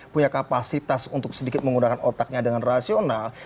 punya kapasitas untuk sedikit menggunakan otaknya dengan rasional